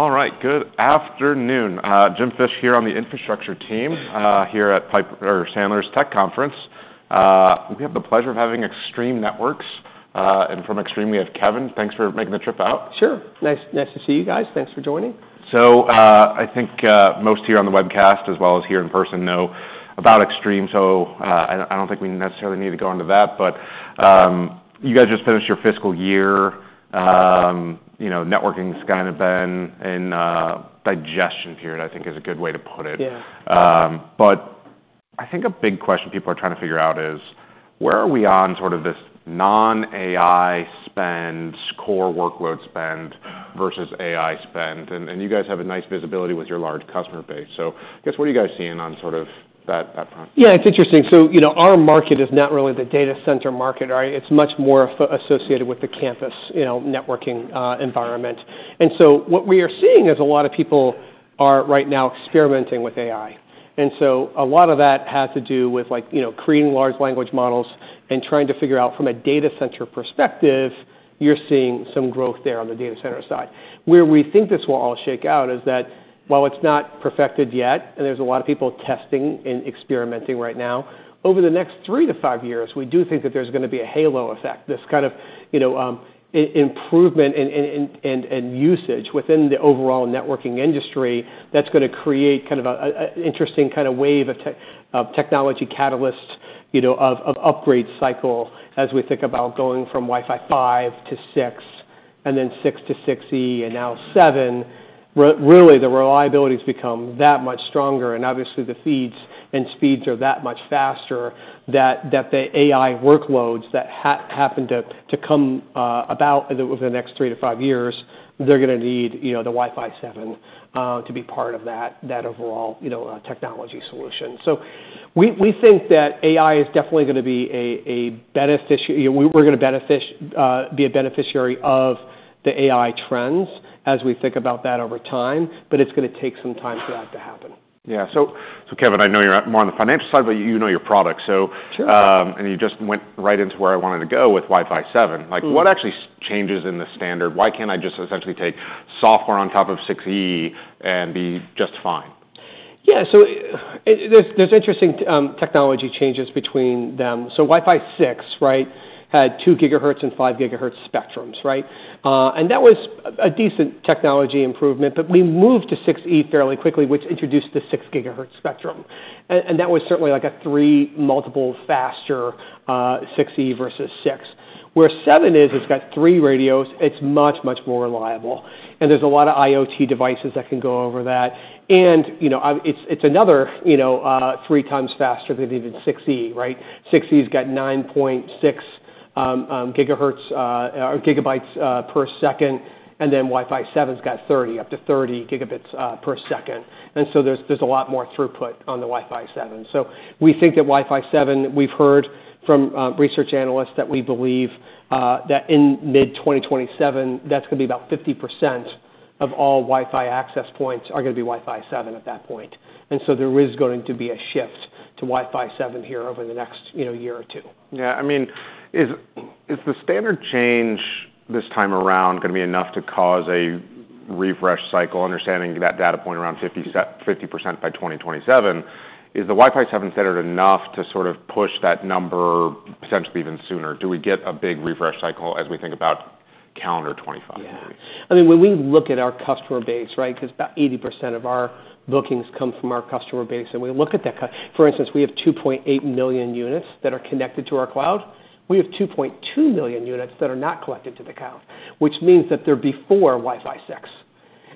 All right, good afternoon. Jim Fish here on the infrastructure team, here at Piper Sandler's Tech Conference. We have the pleasure of having Extreme Networks, and from Extreme, we have Kevin. Thanks for making the trip out. Sure. Nice, nice to see you guys. Thanks for joining. I think most here on the webcast, as well as here in person, know about Extreme, so I don't think we necessarily need to go into that. You guys just finished your fiscal year. You know, networking's kind of been in digestion period, I think, is a good way to put it. Yeah. But I think a big question people are trying to figure out is: Where are we on sort of this non-AI spend, core workload spend versus AI spend? And you guys have a nice visibility with your large customer base, so I guess what are you guys seeing on sort of that front? Yeah, it's interesting, so you know, our market is not really the data center market, all right? It's much more associated with the campus, you know, networking environment, and so what we are seeing is a lot of people are right now experimenting with AI, and so a lot of that has to do with, like, you know, creating large language models and trying to figure out from a data center perspective, you're seeing some growth there on the data center side. Where we think this will all shake out is that while it's not perfected yet, and there's a lot of people testing and experimenting right now, over the next three to five years, we do think that there's gonna be a halo effect. This kind of, you know, improvement and usage within the overall networking industry that's gonna create kind of an interesting kind of wave of technology catalyst, you know, of upgrade cycle as we think about going from Wi-Fi 5-Wi-Fi 6, and then 6E-6E, and now 7. Really, the reliability's become that much stronger, and obviously, the feeds and speeds are that much faster that the AI workloads that happen to come about over the next three to five years, they're gonna need, you know, the Wi-Fi 7 to be part of that overall, you know, technology solution. So we think that AI is definitely gonna be a beneficiary of the AI trends as we think about that over time, but it's gonna take some time for that to happen. Yeah. So, Kevin, I know you're more on the financial side, but you know your product, so- Sure... and you just went right into where I wanted to go with Wi-Fi 7. Mm. Like, what actually changes in the standard? Why can't I just essentially take software on top of 6E and be just fine? Yeah, so there's interesting technology changes between them. So Wi-Fi 6, right, had two gigahertz and five gigahertz spectrums, right? And that was a decent technology improvement, but we moved to 6E fairly quickly, which introduced the six gigahertz spectrum. And that was certainly like a three multiple faster, 6E versus 6. Where 7 is, it's got three radios, it's much, much more reliable, and there's a lot of IoT devices that can go over that. And, you know, it's another, you know, three times faster than even 6E, right? 6E's got 9.6 gigahertz or gigabytes per second, and then Wi-Fi 7's got 30, up to 30 gigabits per second. And so there's a lot more throughput on the Wi-Fi 7. So we think that Wi-Fi 7... We've heard from research analysts that we believe that in mid 2027, that's gonna be about 50% of all Wi-Fi access points are gonna be Wi-Fi 7 at that point, and so there is going to be a shift to Wi-Fi 7 here over the next, you know, year or two. Yeah, I mean, is the standard change this time around gonna be enough to cause a refresh cycle? Understanding that data point around 50% by 2027, is the Wi-Fi 7 standard enough to sort of push that number potentially even sooner? Do we get a big refresh cycle as we think about calendar 2025 maybe? Yeah. I mean, when we look at our customer base, right, 'cause about 80% of our bookings come from our customer base, and we look at that for instance, we have 2.8 million units that are connected to our cloud. We have 2.2 million units that are not connected to the cloud, which means that they're before Wi-Fi 6.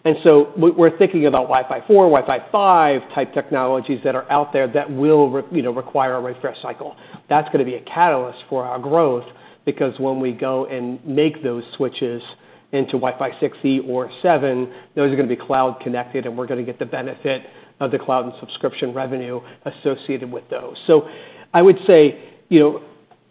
And so we're thinking about Wi-Fi 4, Wi-Fi 5 type technologies that are out there that will you know, require a refresh cycle. That's gonna be a catalyst for our growth, because when we go and make those switches into Wi-Fi 6E or 7, those are gonna be cloud connected, and we're gonna get the benefit of the cloud and subscription revenue associated with those. So I would say, you know,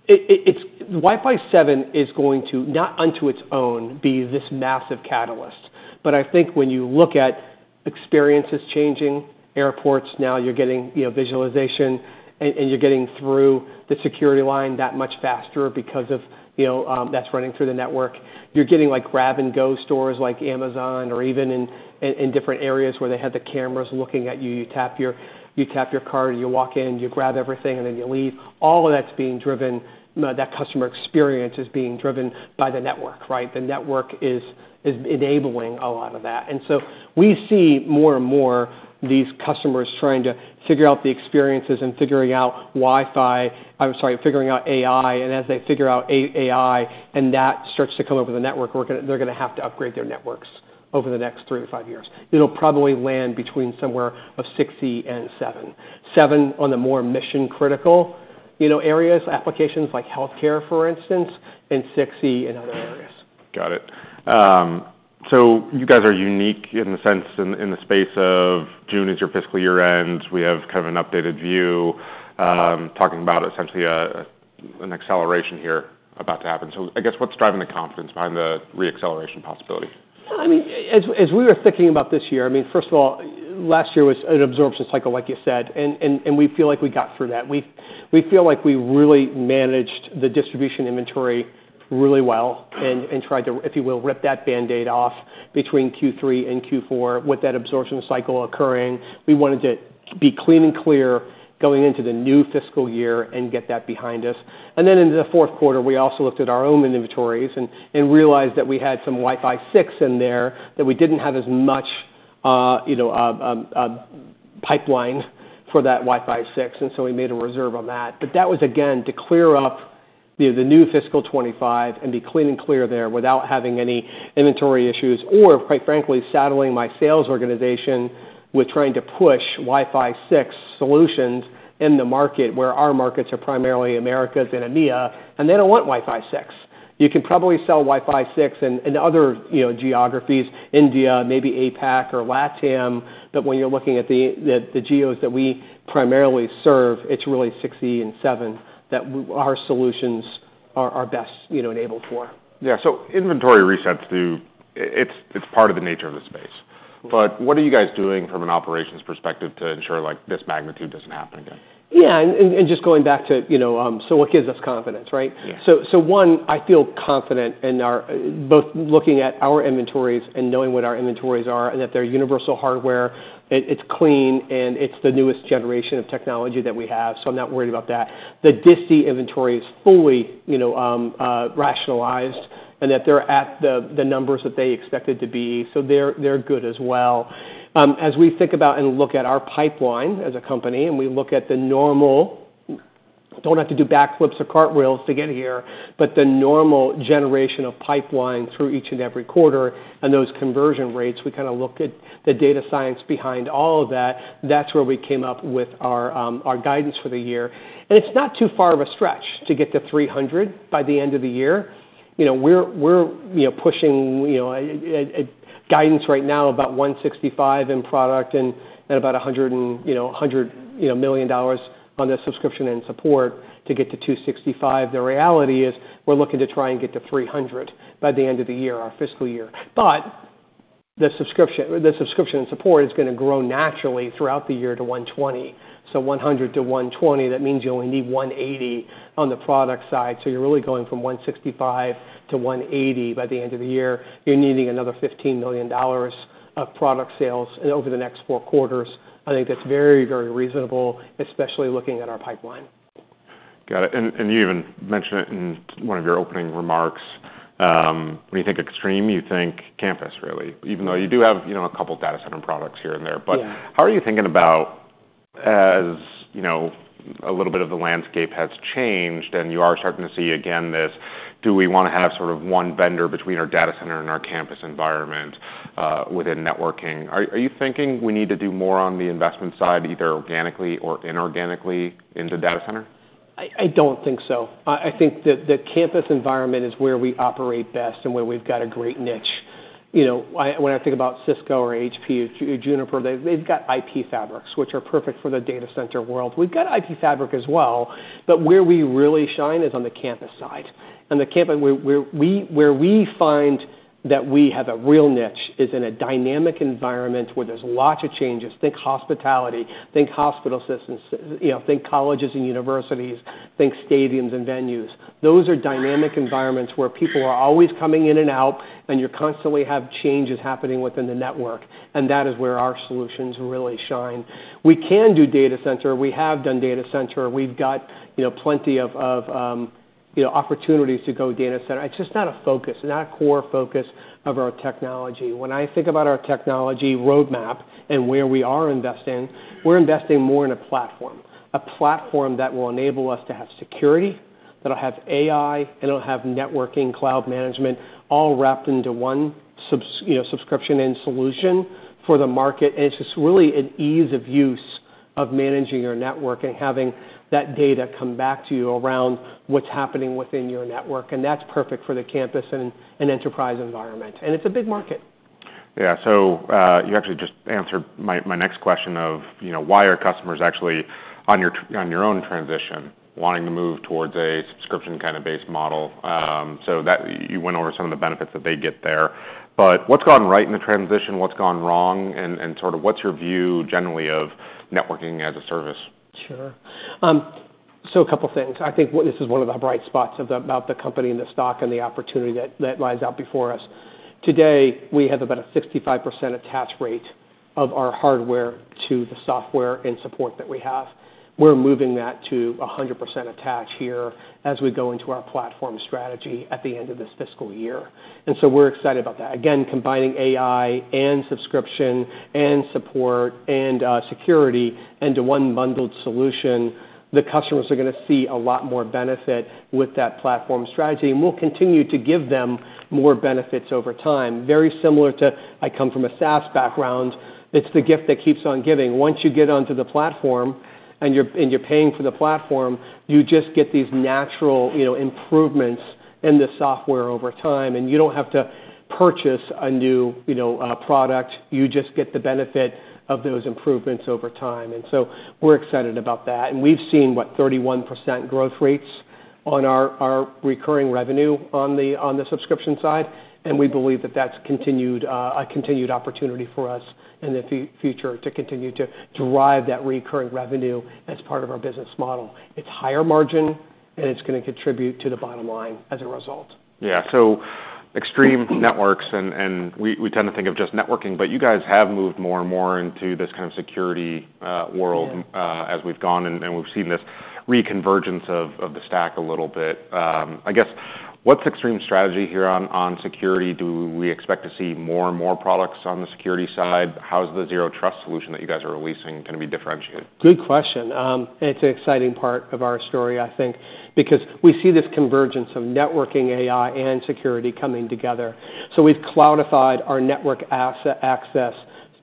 it's Wi-Fi 7 is going to, not unto its own, be this massive catalyst, but I think when you look at experiences changing, airports, now you're getting, you know, visualization and you're getting through the security line that much faster because of, you know, that's running through the network. You're getting, like, grab-and-go stores like Amazon or even in different areas where they have the cameras looking at you. You tap your card, and you walk in, you grab everything, and then you leave. All of that's being driven, that customer experience is being driven by the network, right? The network is enabling a lot of that. And so we see more and more these customers trying to figure out the experiences and figuring out Wi-Fi—I'm sorry, figuring out AI, and as they figure out AI, and that starts to come over the network, they're gonna have to upgrade their networks over the next three to five years. It'll probably land between somewhere of 6E and 7. Seven on the more mission-critical, you know, areas, applications like healthcare, for instance, and 6E in other areas. Got it. So you guys are unique in the sense in the space of June is your fiscal year end. We have kind of an updated view, talking about essentially an acceleration here about to happen. So I guess, what's driving the confidence behind the re-acceleration possibility? I mean, as we were thinking about this year, I mean, first of all, last year was an absorption cycle, like you said, and we feel like we got through that. We feel like we really managed the distribution inventory really well and tried to, if you will, rip that band-aid off between Q3 and Q4 with that absorption cycle occurring. We wanted to be clean and clear going into the new fiscal year and get that behind us. And then in the fourth quarter, we also looked at our own inventories and realized that we had some Wi-Fi 6 in there, that we didn't have as much, you know, pipeline for that Wi-Fi 6, and so we made a reserve on that. But that was, again, to clear up the new fiscal 2025 and be clean and clear there without having any inventory issues, or quite frankly, saddling my sales organization with trying to push Wi-Fi 6 solutions in the market, where our markets are primarily Americas and EMEA, and they don't want Wi-Fi 6. You can probably sell Wi-Fi 6 in other, you know, geographies, India, maybe APAC or LATAM, but when you're looking at the geos that we primarily serve, it's really Wi-Fi 6 and Wi-Fi 7 that our solutions are best, you know, enabled for. Yeah. So inventory resets. It's part of the nature of the space. But what are you guys doing from an operations perspective to ensure, like, this magnitude doesn't happen again? Yeah, and just going back to, you know, so what gives us confidence, right? Yeah. So, one, I feel confident in our both looking at our inventories and knowing what our inventories are, and that they're Universal Hardware. It's clean, and it's the newest generation of technology that we have, so I'm not worried about that. The disti inventory is fully, you know, rationalized, and that they're at the numbers that they expected to be, so they're good as well. As we think about and look at our pipeline as a company, and we look at the normal, don't have to do backflips or cartwheels to get here, but the normal generation of pipeline through each and every quarter and those conversion rates, we kinda look at the data science behind all of that. That's where we came up with our guidance for the year. It's not too far of a stretch to get to $300 million by the end of the year. You know, we're pushing a guidance right now about 165 in product and about $100 million on the subscription and support to get to 265. The reality is, we're looking to try and get to $300 million by the end of the year, our fiscal year. But the subscription and support is gonna grow naturally throughout the year to $120 million. So $100 million-$120 million, that means you only need $180 million on the product side. So you're really going from $165 million-$180 million by the end of the year. You're needing another $15 million of product sales, and over the next four quarters, I think that's very, very reasonable, especially looking at our pipeline. Got it, and you even mentioned it in one of your opening remarks, when you think Extreme, you think campus, really, even though you do have, you know, a couple data center products here and there. Yeah. But how are you thinking about, as you know, a little bit of the landscape has changed, and you are starting to see again this, do we wanna have sort of one vendor between our data center and our campus environment, within networking? Are you thinking we need to do more on the investment side, either organically or inorganically, in the data center? I don't think so. I think that the campus environment is where we operate best and where we've got a great niche. You know, when I think about Cisco or HP or Juniper, they've got IP fabrics, which are perfect for the data center world. We've got IP fabric as well, but where we really shine is on the campus side. On the campus, where we find that we have a real niche is in a dynamic environment where there's lots of changes. Think hospitality, think hospital systems, you know, think colleges and universities, think stadiums and venues. Those are dynamic environments where people are always coming in and out, and you constantly have changes happening within the network, and that is where our solutions really shine. We can do data center. We have done data center. We've got, you know, plenty of opportunities to go data center. It's just not a focus, not a core focus of our technology. When I think about our technology roadmap and where we are investing, we're investing more in a platform, a platform that will enable us to have security, that'll have AI, it'll have networking, cloud management, all wrapped into one, you know, subscription and solution for the market, and it's just really an ease of use of managing your network and having that data come back to you around what's happening within your network, and that's perfect for the campus and enterprise environment, and it's a big market. Yeah. So, you actually just answered my next question of, you know, why are customers actually on your own transition, wanting to move towards a subscription kind of based model? So you went over some of the benefits that they get there. But what's gone right in the transition, what's gone wrong, and sort of what's your view generally of networking as a service? Sure. So a couple things. I think this is one of the bright spots about the company and the stock and the opportunity that lies out before us. Today, we have about a 65% attach rate of our hardware to the software and support that we have. We're moving that to a 100% attach here as we go into our platform strategy at the end of this fiscal year, and so we're excited about that. Again, combining AI and subscription and support and security into one bundled solution, the customers are gonna see a lot more benefit with that platform strategy, and we'll continue to give them more benefits over time. Very similar to... I come from a SaaS background. It's the gift that keeps on giving. Once you get onto the platform, and you're paying for the platform, you just get these natural, you know, improvements in the software over time, and you don't have to purchase a new, you know, product. You just get the benefit of those improvements over time, and so we're excited about that. And we've seen, what, 31% growth rates? on our recurring revenue on the subscription side, and we believe that that's a continued opportunity for us in the future to continue to drive that recurring revenue as part of our business model. It's higher margin, and it's gonna contribute to the bottom line as a result. Yeah. So Extreme Networks, and we tend to think of just networking, but you guys have moved more and more into this kind of security world- Yeah As we've gone, and we've seen this reconvergence of the stack a little bit. I guess, what's Extreme's strategy here on security? Do we expect to see more and more products on the security side? How's the Zero Trust solution that you guys are releasing gonna be differentiated? Good question. And it's an exciting part of our story, I think, because we see this convergence of networking, AI, and security coming together. So we've cloudified our network asset access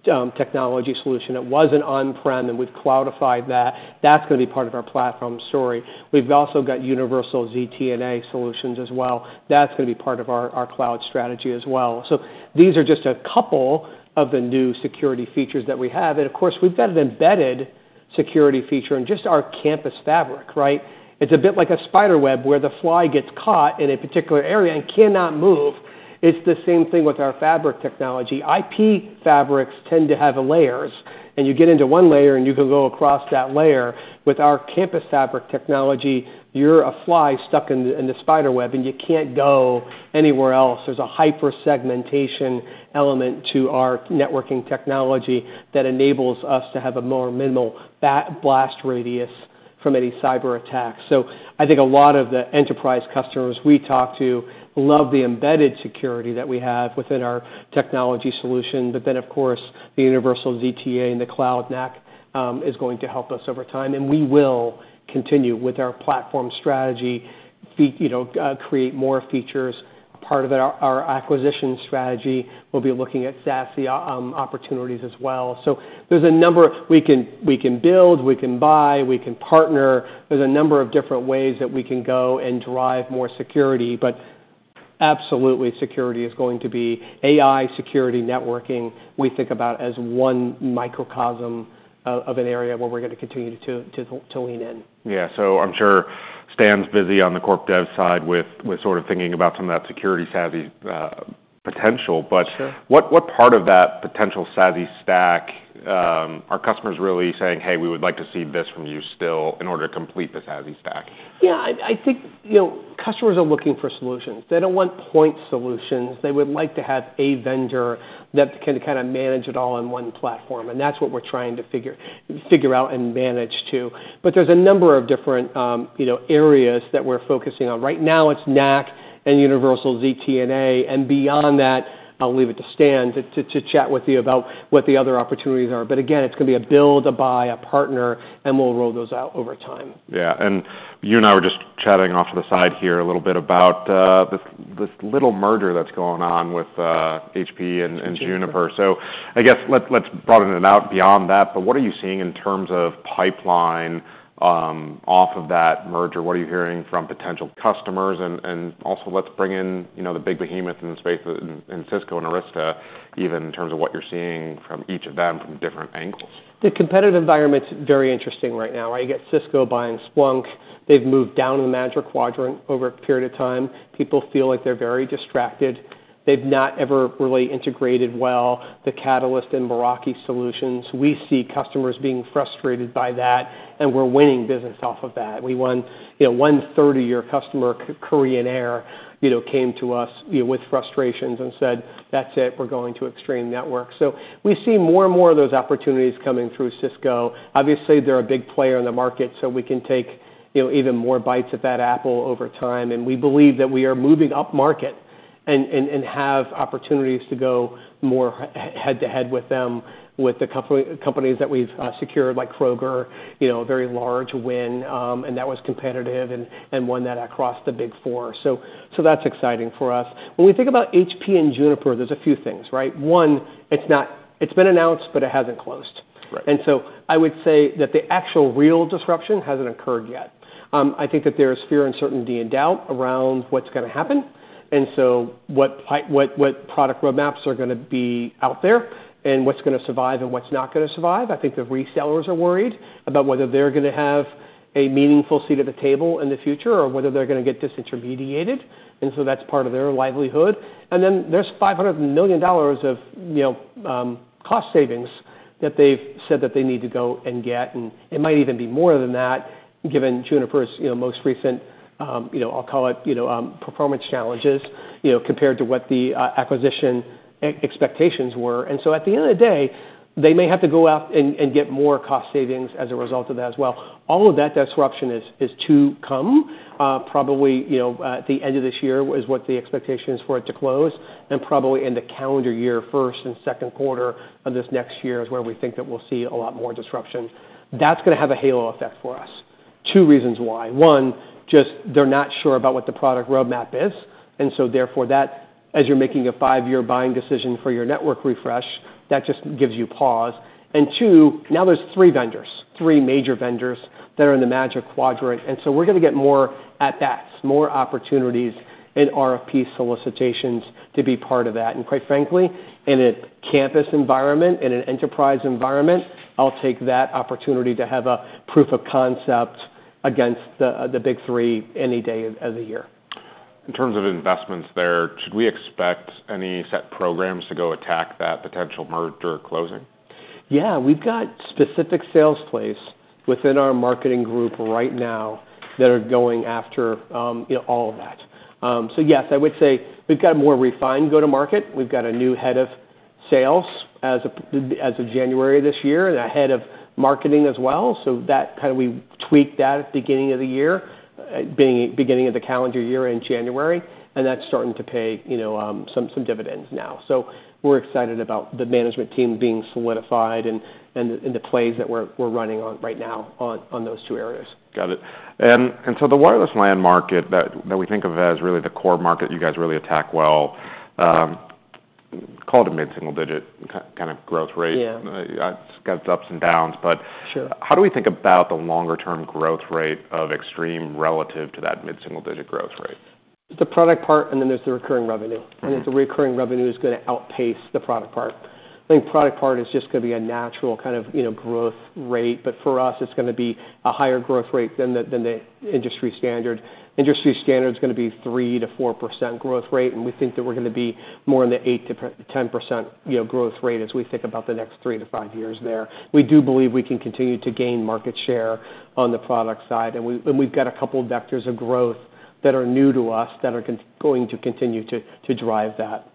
technology solution. It was an on-prem, and we've cloudified that. That's gonna be part of our platform story. We've also got Universal ZTNA solutions as well. That's gonna be part of our cloud strategy as well. So these are just a couple of the new security features that we have, and of course, we've got an embedded security feature in just our campus fabric, right? It's a bit like a spiderweb, where the fly gets caught in a particular area and cannot move. It's the same thing with our fabric technology. IP fabrics tend to have layers, and you get into one layer, and you can go across that layer. With our campus fabric technology, you're a fly stuck in the spiderweb, and you can't go anywhere else. There's a hyper-segmentation element to our networking technology that enables us to have a more minimal blast radius from any cyberattack. So I think a lot of the enterprise customers we talk to love the embedded security that we have within our technology solution. But then, of course, the Universal ZTNA and the Cloud NAC is going to help us over time, and we will continue with our platform strategy, you know, create more features. Part of our acquisition strategy will be looking at SASE opportunities as well. So there's a number, we can, we can build, we can buy, we can partner. There's a number of different ways that we can go and drive more security, but absolutely, security is going to be... AI, security, networking, we think about as one microcosm of, of an area where we're gonna continue to lean in. Yeah. So I'm sure Stan's busy on the corp dev side with sort of thinking about some of that security SASE potential. Sure. But what part of that potential SASE stack are customers really saying, "Hey, we would like to see this from you still in order to complete the SASE stack? Yeah, I think, you know, customers are looking for solutions. They don't want point solutions. They would like to have a vendor that can kind of manage it all on one platform, and that's what we're trying to figure out and manage too. But there's a number of different, you know, areas that we're focusing on. Right now, it's NAC and Universal ZTNA, and beyond that, I'll leave it to Stan to chat with you about what the other opportunities are. But again, it's gonna be a build, a buy, a partner, and we'll roll those out over time. Yeah, and you and I were just chatting off to the side here a little bit about this little merger that's going on with HP and Juniper. HP. I guess, let's broaden it out beyond that, but what are you seeing in terms of pipeline off of that merger? What are you hearing from potential customers? And also let's bring in, you know, the big behemoths in the space, and Cisco and Arista, even in terms of what you're seeing from each of them from different angles. The competitive environment's very interesting right now, right? You get Cisco buying Splunk. They've moved down in the Magic Quadrant over a period of time. People feel like they're very distracted. They've not ever really integrated well the Catalyst and Meraki solutions. We see customers being frustrated by that, and we're winning business off of that. We won, you know, one third-year customer, Korean Air, you know, came to us, you know, with frustrations and said, "That's it. We're going to Extreme Networks." So we see more and more of those opportunities coming through Cisco. Obviously, they're a big player in the market, so we can take, you know, even more bites at that apple over time, and we believe that we are moving upmarket and have opportunities to go more head-to-head with them, with the companies that we've secured, like Kroger, you know, a very large win, and that was competitive and won that across the Big Four. So that's exciting for us. When we think about HP and Juniper, there's a few things, right? One, it's not. It's been announced, but it hasn't closed. Right. And so I would say that the actual real disruption hasn't occurred yet. I think that there's fear, uncertainty, and doubt around what's gonna happen, and so what product roadmaps are gonna be out there and what's gonna survive and what's not gonna survive. I think the resellers are worried about whether they're gonna have a meaningful seat at the table in the future or whether they're gonna get disintermediated, and so that's part of their livelihood. And then there's $500 million of, you know, cost savings that they've said that they need to go and get, and it might even be more than that, given Juniper's, you know, most recent, you know, I'll call it, you know, performance challenges, you know, compared to what the acquisition expectations were. And so at the end of the day, they may have to go out and get more cost savings as a result of that as well. All of that disruption is to come. Probably, you know, at the end of this year is what the expectation is for it to close, and probably in the calendar year, first and second quarter of this next year is where we think that we'll see a lot more disruption. That's gonna have a halo effect for us. Two reasons why: One, just they're not sure about what the product roadmap is, and so therefore, that, as you're making a five-year buying decision for your network refresh, that just gives you pause. And two, now there's three vendors, three major vendors that are in the Magic Quadrant, and so we're gonna get more at bats, more opportunities in RFP solicitations to be part of that. And quite frankly, in a campus environment, in an enterprise environment, I'll take that opportunity to have a proof of concept against the Big Three any day of the year.... in terms of investments there, should we expect any set programs to go attack that potential merger closing? Yeah, we've got specific sales plays within our marketing group right now that are going after, you know, all of that. So yes, I would say we've got a more refined go-to-market. We've got a new head of sales as of January this year, and a head of marketing as well. So that kind of we tweaked that at the beginning of the year, beginning of the calendar year in January, and that's starting to pay, you know, some dividends now. So we're excited about the management team being solidified and the plays that we're running right now on those two areas. Got it. And so the wireless LAN market that we think of as really the core market you guys really attack well, called a mid-single digit kind of growth rate. Yeah. It's got its ups and downs, but- Sure... how do we think about the longer term growth rate of Extreme relative to that mid-single digit growth rate? The product part, and then there's the recurring revenue. Mm-hmm. The recurring revenue is gonna outpace the product part. I think product part is just gonna be a natural kind of, you know, growth rate, but for us, it's gonna be a higher growth rate than the, than the industry standard. Industry standard's gonna be 3%-4% growth rate, and we think that we're gonna be more in the 8%-10%, you know, growth rate as we think about the next three years-five years there. We do believe we can continue to gain market share on the product side, and we've got a couple vectors of growth that are new to us that are going to continue to drive that.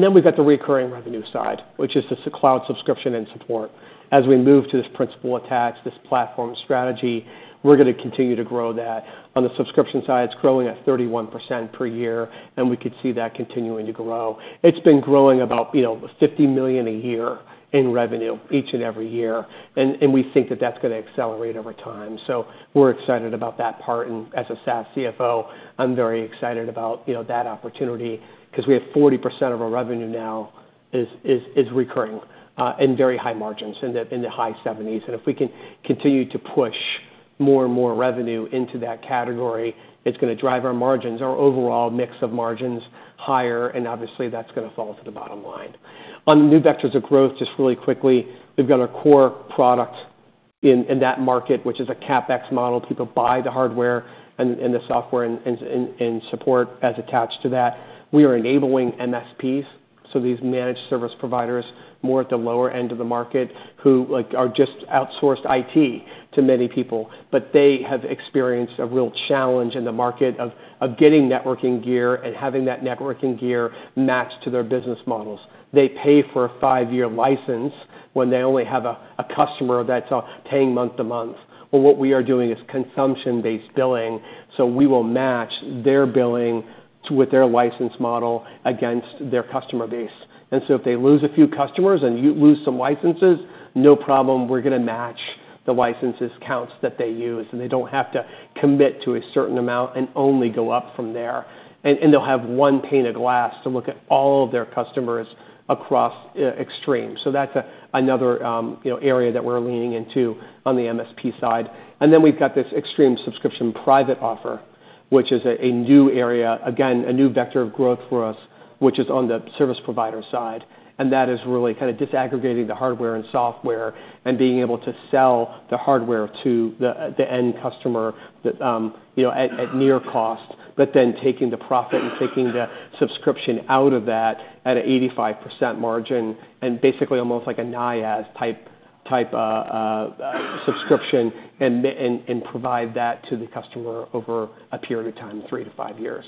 Then we've got the recurring revenue side, which is just the cloud subscription and support. As we move to this principal attach, this platform strategy, we're gonna continue to grow that. On the subscription side, it's growing at 31% per year, and we could see that continuing to grow. It's been growing about, you know, $50 million a year in revenue each and every year, and we think that that's gonna accelerate over time. So we're excited about that part, and as a SaaS CFO, I'm very excited about, you know, that opportunity, 'cause we have 40% of our revenue now is recurring, and very high margins in the high 70s. And if we can continue to push more and more revenue into that category, it's gonna drive our margins, our overall mix of margins higher, and obviously, that's gonna fall to the bottom line. On the new vectors of growth, just really quickly, we've got a core product in that market, which is a CapEx model. People buy the hardware and the software and support as attached to that. We are enabling MSPs, so these managed service providers more at the lower end of the market, who, like, are just outsourced IT to many people, but they have experienced a real challenge in the market of getting networking gear and having that networking gear matched to their business models. They pay for a five-year license when they only have a customer that's paying month to month. What we are doing is consumption-based billing, so we will match their billing to what their license model against their customer base. And so if they lose a few customers and you lose some licenses, no problem, we're gonna match the licenses counts that they use, and they don't have to commit to a certain amount and only go up from there. And they'll have one pane of glass to look at all of their customers across Extreme. So that's another, you know, area that we're leaning into on the MSP side. And then we've got this Extreme Subscription Private Offer, which is a new area, again, a new vector of growth for us, which is on the service provider side. And that is really kind of disaggregating the hardware and software and being able to sell the hardware to the end customer that you know at near cost, but then taking the profit and taking the subscription out of that at a 85% margin and basically almost like a IaaS type subscription and provide that to the customer over a period of time, three years-five years.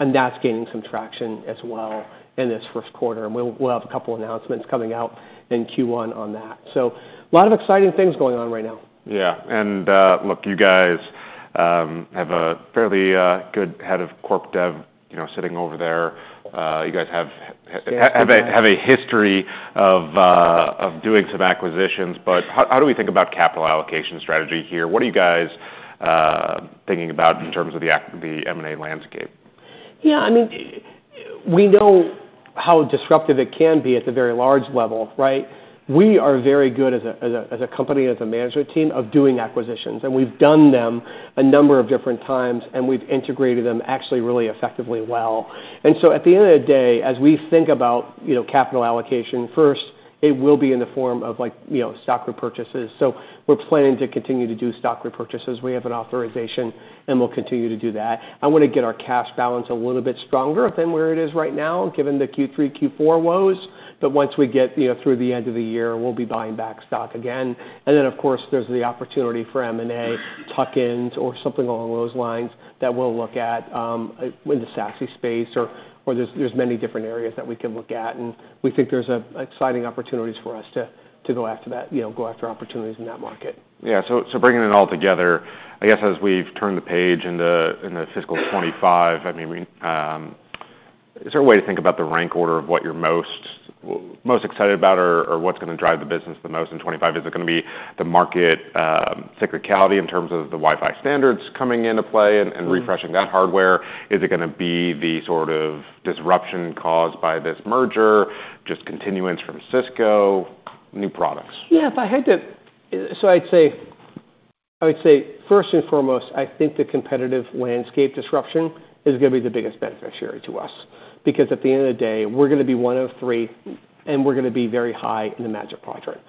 And that's gaining some traction as well in this first quarter, and we'll have a couple announcements coming out in Q1 on that. So a lot of exciting things going on right now. Yeah, and, look, you guys have a fairly good head of corp dev, you know, sitting over there. You guys have a history of doing some acquisitions, but how do we think about capital allocation strategy here? What are you guys thinking about in terms of the M&A landscape? Yeah, I mean, we know how disruptive it can be at the very large level, right? We are very good as a company, as a management team, of doing acquisitions, and we've done them a number of different times, and we've integrated them actually really effectively well. And so at the end of the day, as we think about, you know, capital allocation, first, it will be in the form of like, you know, stock repurchases. So we're planning to continue to do stock repurchases. We have an authorization, and we'll continue to do that. I wanna get our cash balance a little bit stronger than where it is right now, given the Q3, Q4 woes, but once we get, you know, through the end of the year, we'll be buying back stock again. Then, of course, there's the opportunity for M&A tuck-ins or something along those lines that we'll look at in the SASE space or there's many different areas that we could look at, and we think there's a exciting opportunities for us to go after that. You know, go after opportunities in that market. Yeah. So, so bringing it all together, I guess as we've turned the page into, in the fiscal 2025, I mean, we, is there a way to think about the rank order of what you're most, most excited about or, or what's gonna drive the business the most in 2025? Is it gonna be the market, cyclicality in terms of the Wi-Fi standards coming into play and, and refreshing that hardware? Is it gonna be the sort of disruption caused by this merger, just continuance from Cisco, new products? Yeah, if I had to. So I'd say, first and foremost, I think the competitive landscape disruption is gonna be the biggest beneficiary to us because at the end of the day, we're gonna be one of three, and we're gonna be very high in the Magic Quadrant.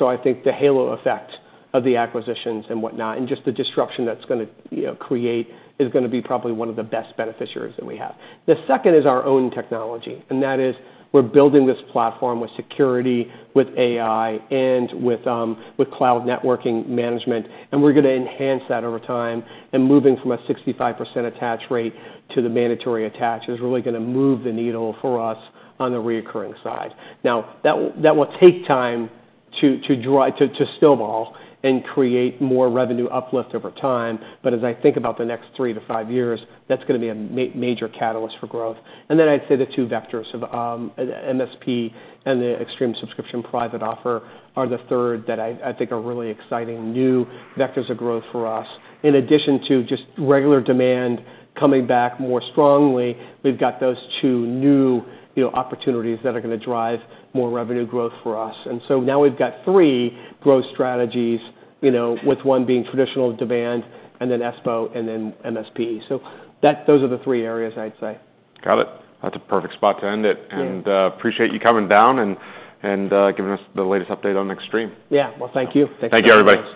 So I think the halo effect of the acquisitions and whatnot, and just the disruption that's gonna, you know, create, is gonna be probably one of the best beneficiaries that we have. The second is our own technology, and that is we're building this platform with security, with AI, and with cloud networking management, and we're gonna enhance that over time. And moving from a 65% attach rate to the mandatory attach is really gonna move the needle for us on the recurring side. Now, that will take time to snowball and create more revenue uplift over time, but as I think about the next three years-five years, that's gonna be a major catalyst for growth. And then I'd say the two vectors of MSP and the Extreme Subscription Private Offer are the third that I think are really exciting new vectors of growth for us. In addition to just regular demand coming back more strongly, we've got those two new, you know, opportunities that are gonna drive more revenue growth for us. And so now we've got three growth strategies, you know, with one being traditional demand, and then Espo, and then MSP. So those are the three areas, I'd say. Got it. That's a perfect spot to end it. Yeah. Appreciate you coming down and giving us the latest update on Extreme. Yeah. Well, thank you. Thank you. Thank you, everybody.